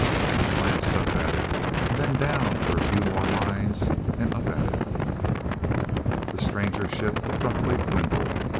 He glanced up at it, and then down for a few more lines, and up at it The stranger ship abruptly dwindled.